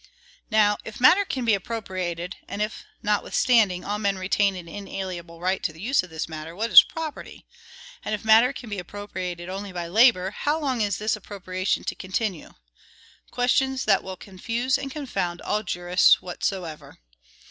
Now, if matter can be appropriated, and if, notwithstanding, all men retain an inalienable right to the use of this matter, what is property? and if matter can be appropriated only by labor, how long is this appropriation to continue? questions that will confuse and confound all jurists whatsoever.